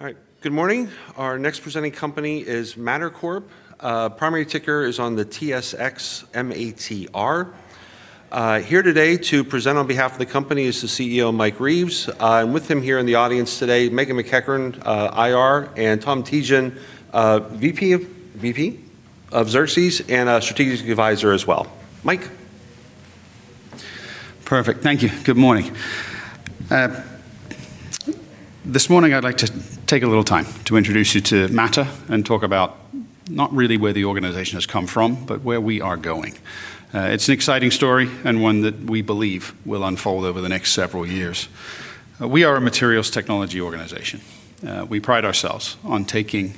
All right, good morning. Our next presenting company is Mattr Corp. Primary ticker is on the TSX: MATR. Here today to present on behalf of the company is the CEO, Michael E. Reeves. With him here in the audience today, Meghan MacEachern, IR, and Thomas R. Holloway, VP of Xerxes and a Strategic Advisor as well. Mike. Perfect, thank you. Good morning. This morning I'd like to take a little time to introduce you to Mattr and talk about not really where the organization has come from, but where we are going. It's an exciting story and one that we believe will unfold over the next several years. We are a materials technology organization. We pride ourselves on taking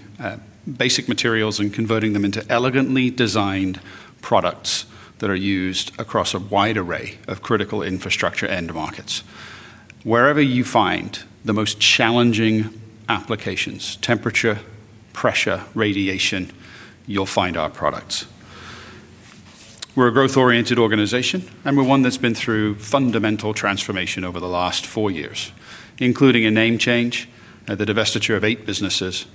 basic materials and converting them into elegantly designed products that are used across a wide array of critical infrastructure end markets. Wherever you find the most challenging applications, temperature, pressure, radiation, you'll find our products. We're a growth-oriented organization, and we're one that's been through fundamental transformation over the last four years, including a name change, the divestiture of eight businesses,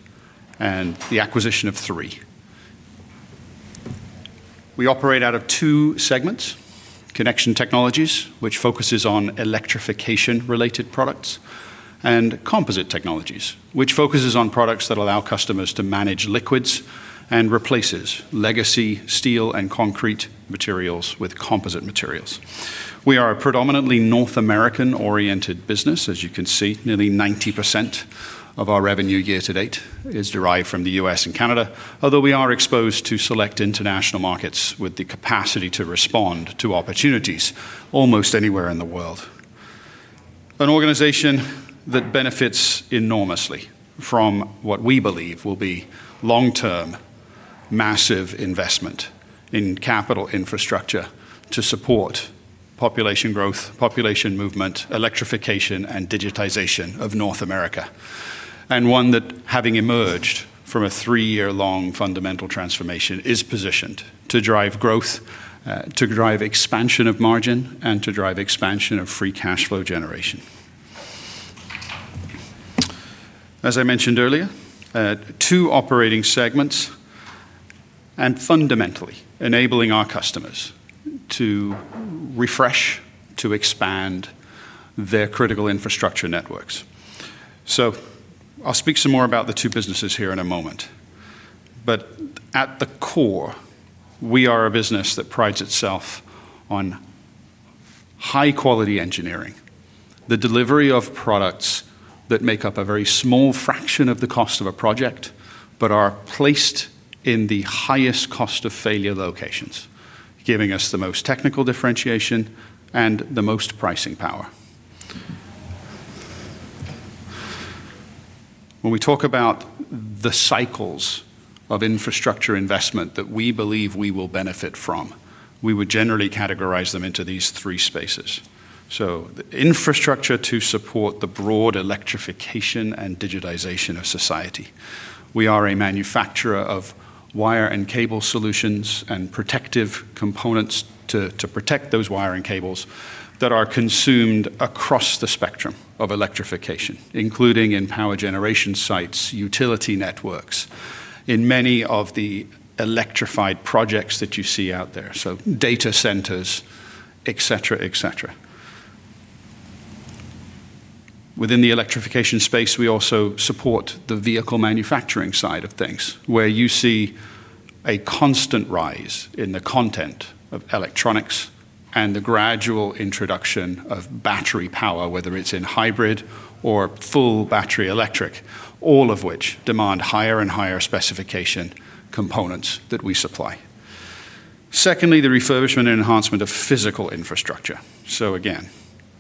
and the acquisition of three. We operate out of two segments: connection technologies, which focuses on electrification-related products, and composite technologies, which focuses on products that allow customers to manage liquids and replace legacy steel and concrete materials with composite materials. We are a predominantly North American-oriented business. As you can see, nearly 90% of our revenue year to date is derived from the U.S. and Canada, although we are exposed to select international markets with the capacity to respond to opportunities almost anywhere in the world. An organization that benefits enormously from what we believe will be long-term massive investment in capital infrastructure to support population growth, population movement, electrification, and digitization of North America, and one that, having emerged from a three-year-long fundamental transformation, is positioned to drive growth, to drive expansion of margin, and to drive expansion of free cash flow generation. As I mentioned earlier, two operating segments and fundamentally enabling our customers to refresh, to expand their critical infrastructure networks. I'll speak some more about the two businesses here in a moment, but at the core, we are a business that prides itself on high-quality engineering, the delivery of products that make up a very small fraction of the cost of a project, but are placed in the highest cost of failure locations, giving us the most technical differentiation and the most pricing power. When we talk about the cycles of infrastructure investment that we believe we will benefit from, we would generally categorize them into these three spaces. The infrastructure to support the broad electrification and digitization of society. We are a manufacturer of wire and cable solutions and protective components to protect those wires and cables that are consumed across the spectrum of electrification, including in power generation sites, utility networks, in many of the electrified projects that you see out there, like data centers, etc. Within the electrification space, we also support the vehicle manufacturing side of things, where you see a constant rise in the content of electronics and the gradual introduction of battery power, whether it's in hybrid or full battery electric, all of which demand higher and higher specification components that we supply. Secondly, the refurbishment and enhancement of physical infrastructure.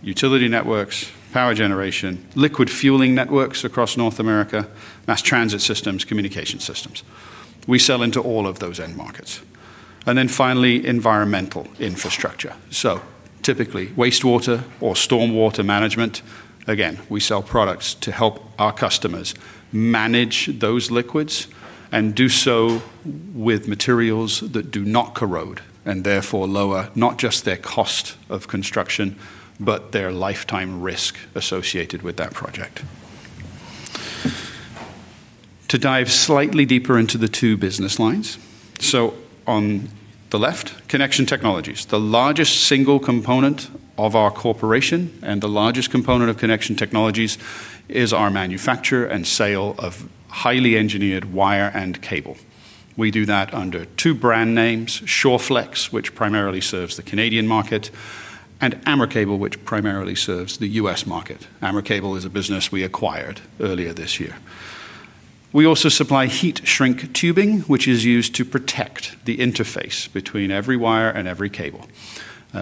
Utility networks, power generation, liquid fueling networks across North America, mass transit systems, communication systems. We sell into all of those end markets. Finally, environmental infrastructure. Typically, wastewater or stormwater management. We sell products to help our customers manage those liquids and do so with materials that do not corrode and therefore lower not just their cost of construction, but their lifetime risk associated with that project. To dive slightly deeper into the two business lines. On the left, connection technologies, the largest single component of our corporation, and the largest component of connection technologies is our manufacture and sale of highly engineered wire and cable. We do that under two brand names: Shawflex, which primarily serves the Canadian market, and AmerCable, which primarily serves the U.S. market. AmerCable is a business we acquired earlier this year. We also supply heat shrink tubing, which is used to protect the interface between every wire and every cable.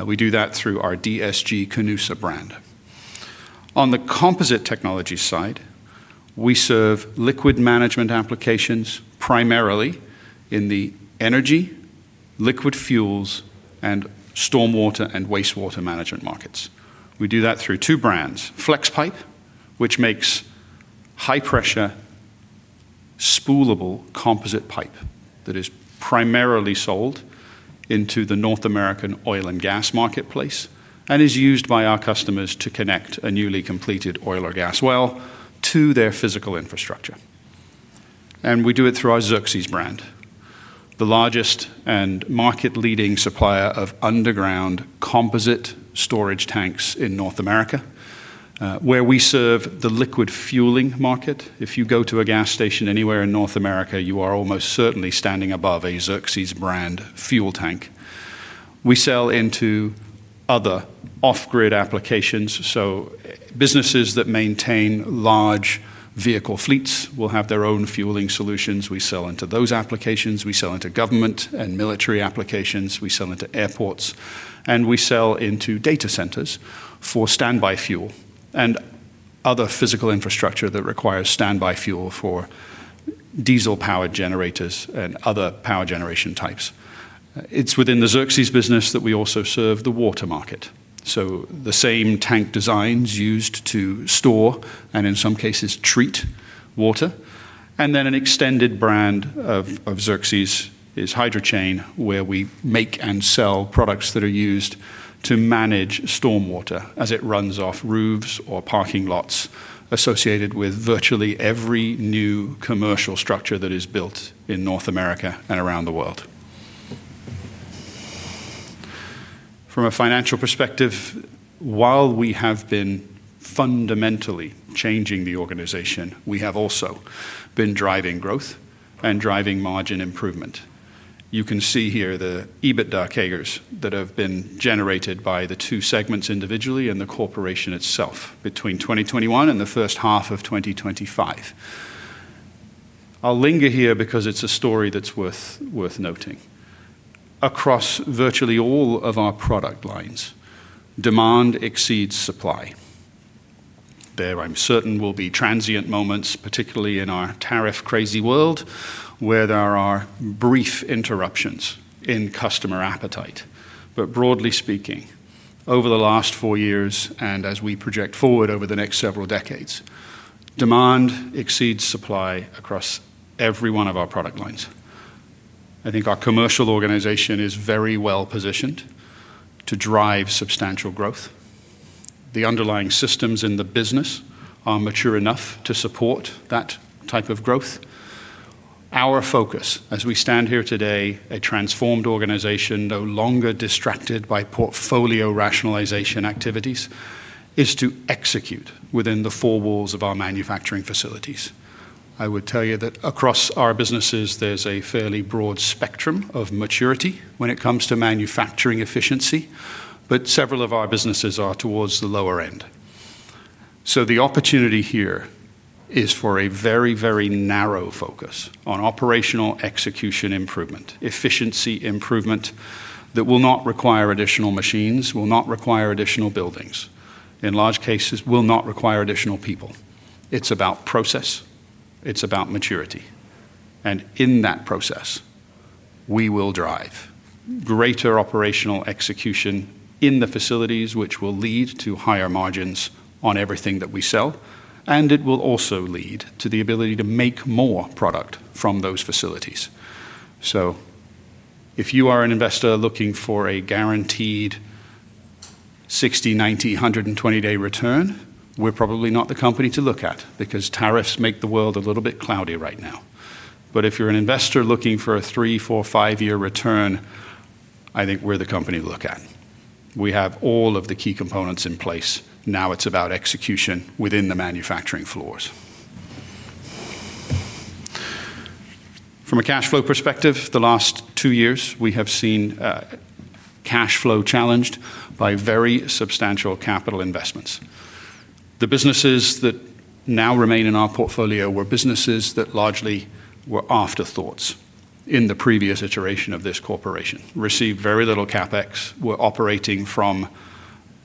We do that through our DSG-Canusa brand. On the composite technologies side, we serve liquid management applications primarily in the energy, liquid fuels, and stormwater and wastewater management markets. We do that through two brands: Flexpipe, which makes high-pressure spoolable composite pipe that is primarily sold into the North American oil and gas marketplace and is used by our customers to connect a newly completed oil or gas well to their physical infrastructure. We do it through our Xerxes brand, the largest and market-leading supplier of underground composite storage tanks in North America, where we serve the liquid fueling market. If you go to a gas station anywhere in North America, you are almost certainly standing above a Xerxes brand fuel tank. We sell into other off-grid applications. Businesses that maintain large vehicle fleets will have their own fueling solutions. We sell into those applications. We sell into government and military applications. We sell into airports, and we sell into data centers for standby fuel and other physical infrastructure that requires standby fuel for diesel-powered generators and other power generation types. Within the Xerxes business, we also serve the water market. The same tank designs are used to store and, in some cases, treat water. An extended brand of Xerxes is HydroChain, where we make and sell products that are used to manage stormwater as it runs off roofs or parking lots associated with virtually every new commercial structure that is built in North America and around the world. From a financial perspective, while we have been fundamentally changing the organization, we have also been driving growth and driving margin improvement. You can see here the EBITDA figures that have been generated by the two segments individually and the corporation itself between 2021 and the first half of 2025. I'll linger here because it's a story that's worth noting. Across virtually all of our product lines, demand exceeds supply. There, I'm certain, will be transient moments, particularly in our tariff-crazy world, where there are brief interruptions in customer appetite. Broadly speaking, over the last four years and as we project forward over the next several decades, demand exceeds supply across every one of our product lines. I think our commercial organization is very well positioned to drive substantial growth. The underlying systems in the business are mature enough to support that type of growth. Our focus, as we stand here today, a transformed organization no longer distracted by portfolio rationalization activities, is to execute within the four walls of our manufacturing facilities. I would tell you that across our businesses, there's a fairly broad spectrum of maturity when it comes to manufacturing efficiency, but several of our businesses are towards the lower end. The opportunity here is for a very, very narrow focus on operational execution improvement, efficiency improvement that will not require additional machines, will not require additional buildings, in large cases, will not require additional people. It's about process. It's about maturity. In that process, we will drive greater operational execution in the facilities, which will lead to higher margins on everything that we sell, and it will also lead to the ability to make more product from those facilities. If you are an investor looking for a guaranteed 60, 90, 120-day return, we're probably not the company to look at because tariffs make the world a little bit cloudy right now. If you're an investor looking for a three, four, five-year return, I think we're the company to look at. We have all of the key components in place. Now it's about execution within the manufacturing floors. From a cash flow perspective, the last two years, we have seen cash flow challenged by very substantial capital investments. The businesses that now remain in our portfolio were businesses that largely were afterthoughts in the previous iteration of this corporation, received very little CapEx, were operating from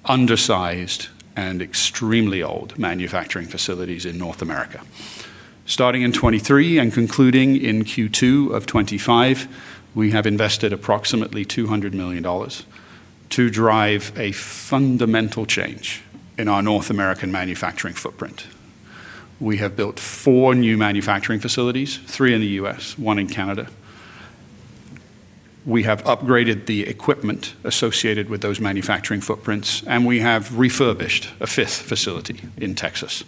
undersized and extremely old manufacturing facilities in North America. Starting in 2023 and concluding in Q2 of 2025, we have invested approximately $200 million to drive a fundamental change in our North American manufacturing footprint. We have built four new manufacturing facilities, three in the U.S., one in Canada. We have upgraded the equipment associated with those manufacturing footprints, and we have refurbished a fifth facility in Texas.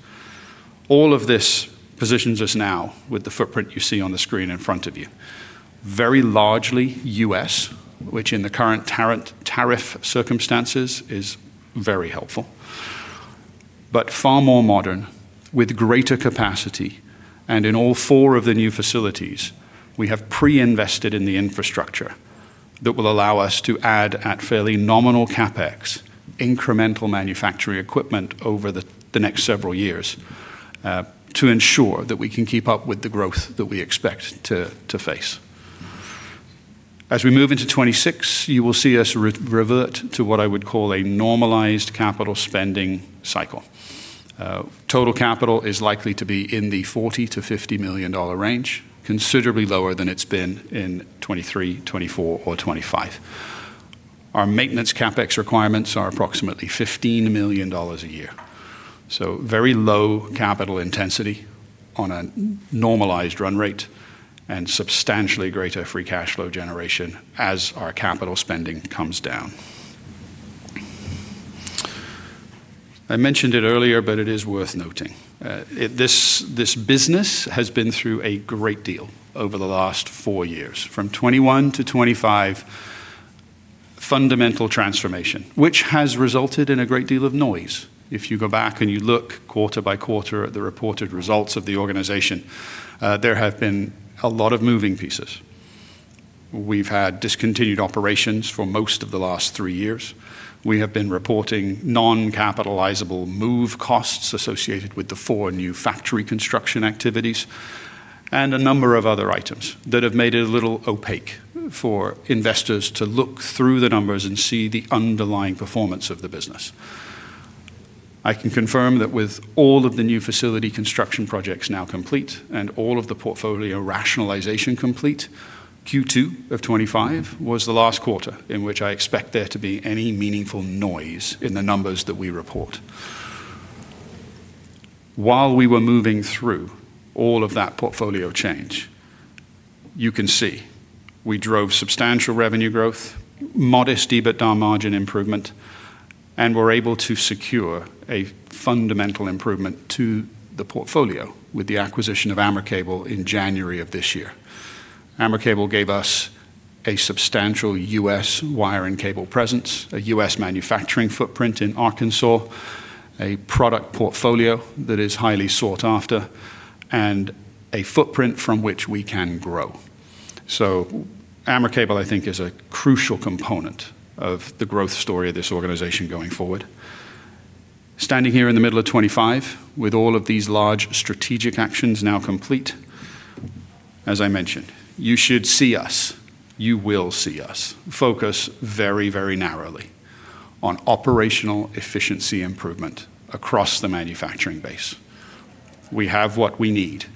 All of this positions us now with the footprint you see on the screen in front of you. Very largely U.S., which in the current tariff circumstances is very helpful, but far more modern with greater capacity. In all four of the new facilities, we have pre-invested in the infrastructure that will allow us to add, at fairly nominal CapEx, incremental manufacturing equipment over the next several years to ensure that we can keep up with the growth that we expect to face. As we move into 2026, you will see us revert to what I would call a normalized capital spending cycle. Total capital is likely to be in the $40 million - $50 million range, considerably lower than it's been in 2023, 2024, or 2025. Our maintenance CapEx requirements are approximately $15 million a year. Very low capital intensity on a normalized run rate and substantially greater free cash flow generation as our capital spending comes down. I mentioned it earlier, but it is worth noting. This business has been through a great deal over the last four years, from 2021 to 2025, fundamental transformation, which has resulted in a great deal of noise. If you go back and you look quarter by quarter at the reported results of the organization, there have been a lot of moving pieces. We've had discontinued operations for most of the last three years. We have been reporting non-capitalizable move costs associated with the four new factory construction activities and a number of other items that have made it a little opaque for investors to look through the numbers and see the underlying performance of the business. I can confirm that with all of the new facility construction projects now complete and all of the portfolio rationalization complete, Q2 of 2025 was the last quarter in which I expect there to be any meaningful noise in the numbers that we report. While we were moving through all of that portfolio change, you can see we drove substantial revenue growth, modest EBITDA margin improvement, and were able to secure a fundamental improvement to the portfolio with the acquisition of AmerCable in January of this year. AmerCable gave us a substantial U.S. wire and cable presence, a U.S. manufacturing footprint in Arkansas, a product portfolio that is highly sought after, and a footprint from which we can grow. AmerCable, I think, is a crucial component of the growth story of this organization going forward. Standing here in the middle of 2025, with all of these large strategic actions now complete, as I mentioned, you should see us, you will see us focus very, very narrowly on operational efficiency improvement across the manufacturing base. We have what we need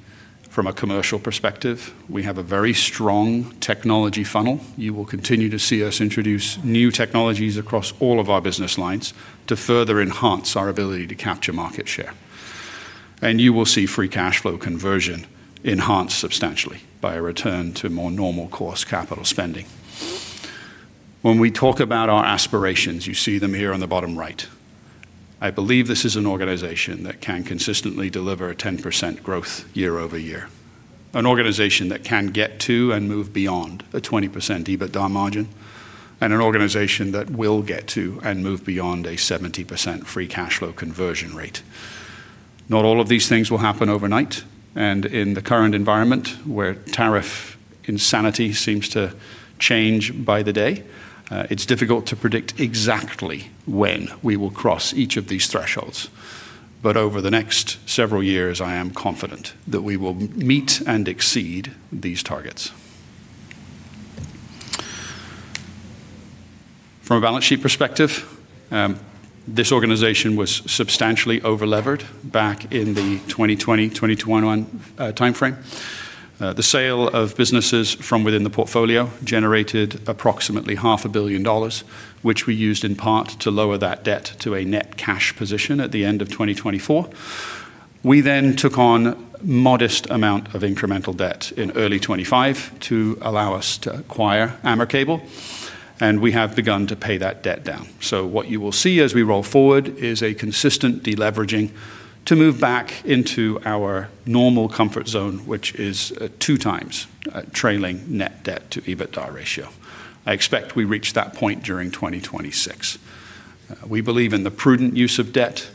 from a commercial perspective. We have a very strong technology funnel. You will continue to see us introduce new technologies across all of our business lines to further enhance our ability to capture market share. You will see free cash flow conversion enhanced substantially by a return to more normal course capital spending. When we talk about our aspirations, you see them here on the bottom right. I believe this is an organization that can consistently deliver 10% growth year-over-year, an organization that can get to and move beyond a 20% EBITDA margin, and an organization that will get to and move beyond a 70% free cash flow conversion rate. Not all of these things will happen overnight, and in the current environment where tariff insanity seems to change by the day, it's difficult to predict exactly when we will cross each of these thresholds. Over the next several years, I am confident that we will meet and exceed these targets. From a balance sheet perspective, this organization was substantially overlevered back in the 2020-2021 timeframe. The sale of businesses from within the portfolio generated approximately $500 million, which we used in part to lower that debt to a net cash position at the end of 2024. We then took on a modest amount of incremental debt in early 2025 to allow us to acquire AmerCable, and we have begun to pay that debt down. What you will see as we roll forward is a consistent deleveraging to move back into our normal comfort zone, which is a 2x trailing net debt to EBITDA ratio. I expect we reach that point during 2026. We believe in the prudent use of debt.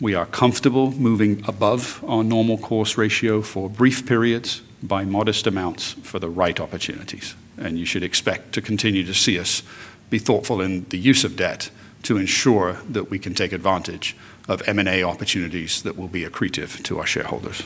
We are comfortable moving above our normal course ratio for brief periods by modest amounts for the right opportunities. You should expect to continue to see us be thoughtful in the use of debt to ensure that we can take advantage of M&A opportunities that will be accretive to our shareholders.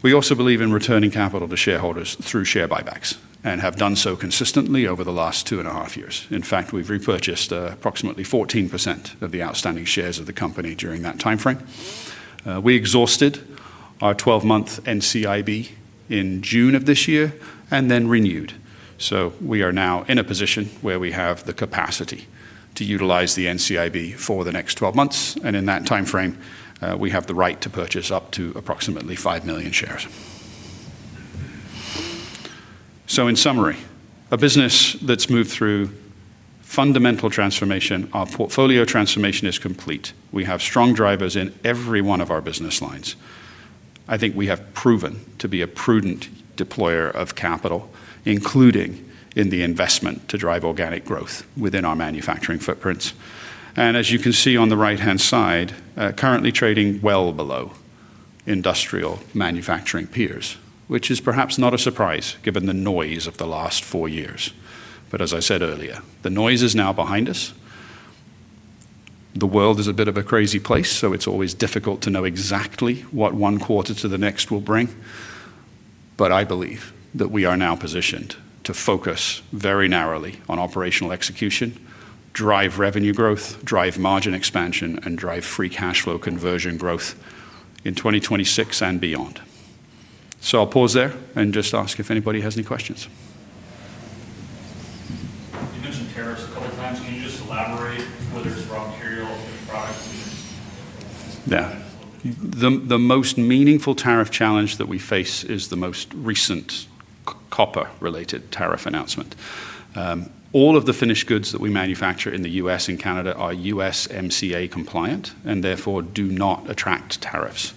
We also believe in returning capital to shareholders through share buybacks and have done so consistently over the last two and a half years. In fact, we've repurchased approximately 14% of the outstanding shares of the company during that timeframe. We exhausted our 12-month NCIB in June of this year and then renewed. We are now in a position where we have the capacity to utilize the NCIB for the next 12 months, and in that timeframe, we have the right to purchase up to approximately 5 million shares. In summary, a business that's moved through fundamental transformation, our portfolio transformation is complete. We have strong drivers in every one of our business lines. I think we have proven to be a prudent deployer of capital, including in the investment to drive organic growth within our manufacturing footprints. As you can see on the right-hand side, currently trading well below industrial manufacturing peers, which is perhaps not a surprise given the noise of the last four years. As I said earlier, the noise is now behind us. The world is a bit of a crazy place, so it's always difficult to know exactly what one quarter to the next will bring. I believe that we are now positioned to focus very narrowly on operational execution, drive revenue growth, drive margin expansion, and drive free cash flow conversion growth in 2026 and beyond. I'll pause there and just ask if anybody has any questions. You mentioned tariffs and other claims. Can you just elaborate what it is? Yeah. The most meaningful tariff challenge that we face is the most recent copper-related tariff announcement. All of the finished goods that we manufacture in the U.S. and Canada are USMCA compliant and therefore do not attract tariffs.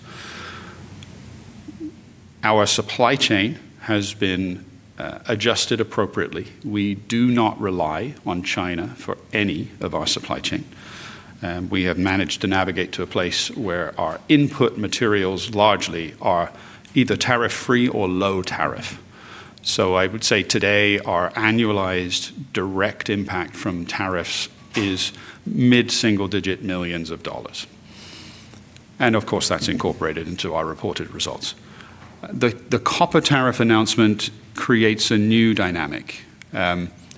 Our supply chain has been adjusted appropriately. We do not rely on China for any of our supply chain. We have managed to navigate to a place where our input materials largely are either tariff-free or low tariff. I would say today our annualized direct impact from tariffs is mid-single-digit millions of dollars. Of course, that's incorporated into our reported results. The copper tariff announcement creates a new dynamic.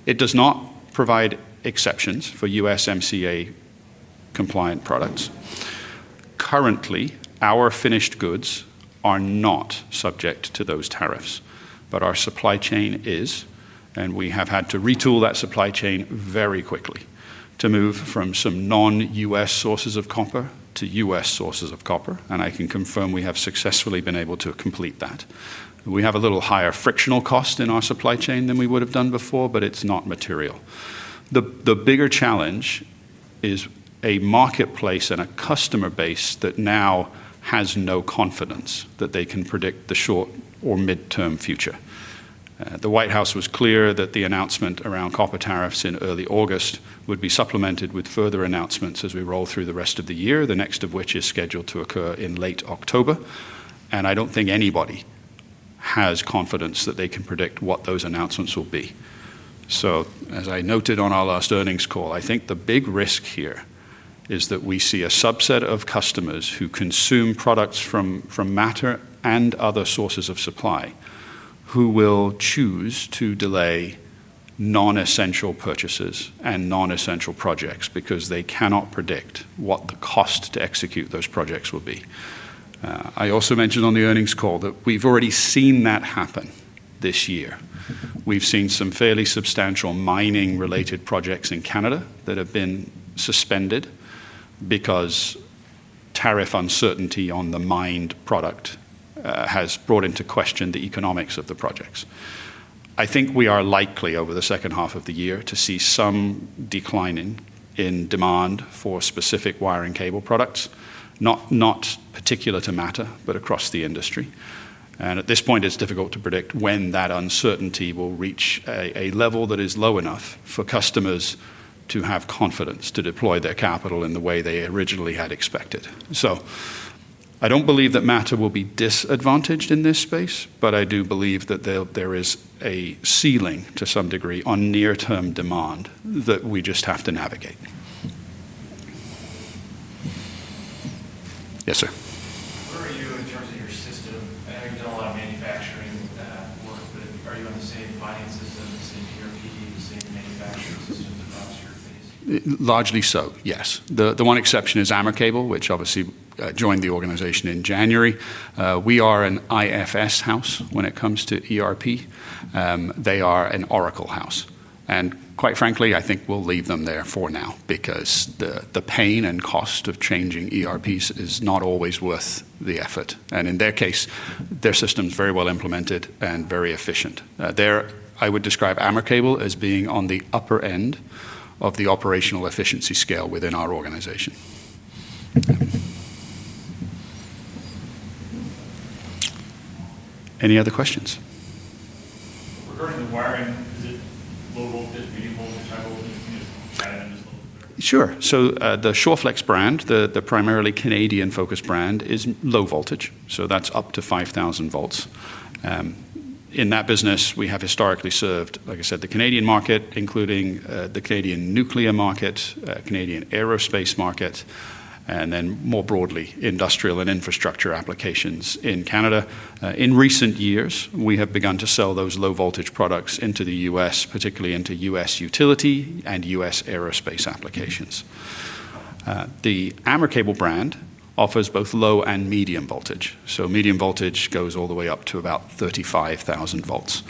It does not provide exceptions for USMCA compliant products. Currently, our finished goods are not subject to those tariffs, but our supply chain is, and we have had to retool that supply chain very quickly to move from some non-U.S. sources of copper to U.S. sources of copper, and I can confirm we have successfully been able to complete that. We have a little higher frictional cost in our supply chain than we would have done before, but it's not material. The bigger challenge is a marketplace and a customer base that now has no confidence that they can predict the short or midterm future. The White House was clear that the announcement around copper tariffs in early August would be supplemented with further announcements as we roll through the rest of the year, the next of which is scheduled to occur in late October. I don't think anybody has confidence that they can predict what those announcements will be. As I noted on our last earnings call, I think the big risk here is that we see a subset of customers who consume products from Mattr and other sources of supply who will choose to delay non-essential purchases and non-essential projects because they cannot predict what the cost to execute those projects will be. I also mentioned on the earnings call that we've already seen that happen this year. We've seen some fairly substantial mining-related projects in Canada that have been suspended because tariff uncertainty on the mined product has brought into question the economics of the projects. I think we are likely over the second half of the year to see some declining in demand for specific wire and cable products, not particular to Mattr, but across the industry. At this point, it's difficult to predict when that uncertainty will reach a level that is low enough for customers to have confidence to deploy their capital in the way they originally had expected. I don't believe that Mattr will be disadvantaged in this space, but I do believe that there is a ceiling to some degree on near-term demand that we just have to navigate. Yes, sir. Where are you in terms of your system? I know you don't want to manufacture any of that work, but are you on the same fine systems, same ERP, the same manufacturing systems? Largely so, yes. The one exception is AmerCable, which obviously joined the organization in January. We are an IFS house when it comes to ERP. They are an Oracle house. Quite frankly, I think we'll leave them there for now because the pain and cost of changing ERPs is not always worth the effort. In their case, their system's very well implemented and very efficient. I would describe AmerCable as being on the upper end of the operational efficiency scale within our organization. Any other questions? Wiring low voltage vehicles and travel routines? Sure. The Shawflex brand, the primarily Canadian-focused brand, is low voltage. That's up to 5,000 volts. In that business, we have historically served, like I said, the Canadian market, including the Canadian nuclear market, Canadian aerospace market, and then more broadly industrial and infrastructure applications in Canada. In recent years, we have begun to sell those low voltage products into the U.S., particularly into U.S. utility and U.S. aerospace applications. The AmerCable brand offers both low and medium voltage. Medium voltage goes all the way up to about 35,000 volts.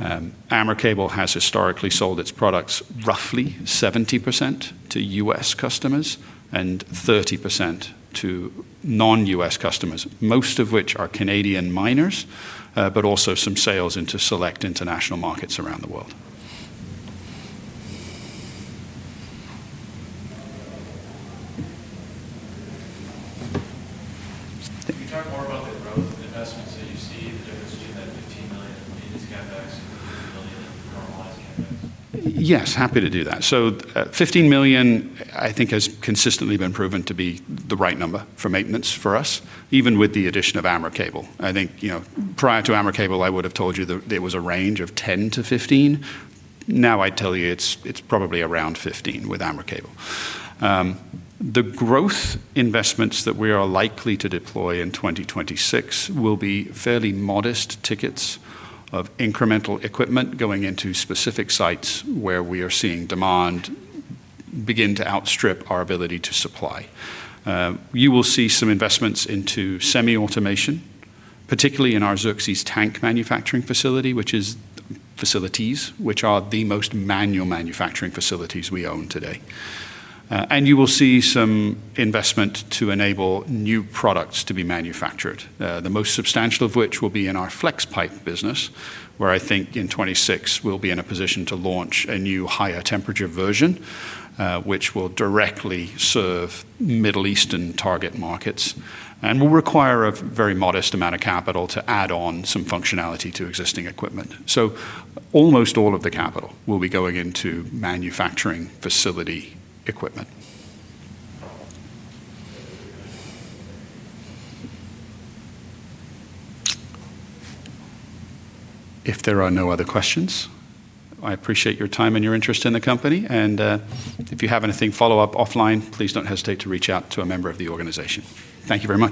AmerCable has historically sold its products roughly 70% to U.S. customers and 30% to non-U.S. customers, most of which are Canadian miners, but also some sales into select international markets around the world. Can you talk more about the growth? The customers that you see, the difference between the $15 million and the $15 million? Yes, happy to do that. $15 million, I think, has consistently been proven to be the right number for maintenance for us, even with the addition of AmerCable. I think, you know, prior to AmerCable, I would have told you that it was a range of $10 million - $15 million. Now I'd tell you it's probably around $15 million with AmerCable. The growth investments that we are likely to deploy in 2026 will be fairly modest tickets of incremental equipment going into specific sites where we are seeing demand begin to outstrip our ability to supply. You will see some investments into semi-automation, particularly in our Xerxes tank manufacturing facility, which is facilities which are the most manual manufacturing facilities we own today. You will see some investment to enable new products to be manufactured, the most substantial of which will be in our Flexpipe business, where I think in 2026 we'll be in a position to launch a new higher temperature version, which will directly serve Middle Eastern target markets and will require a very modest amount of capital to add on some functionality to existing equipment. Almost all of the capital will be going into manufacturing facility equipment. If there are no other questions, I appreciate your time and your interest in the company, and if you have anything follow-up offline, please don't hesitate to reach out to a member of the organization. Thank you very much.